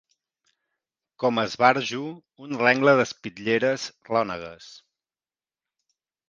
Com a esbarjo, un rengle d'espitlleres rònegues